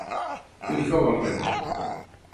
Què li cau al ren?